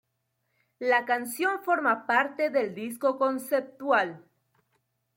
La canción forma parte del disco conceptual.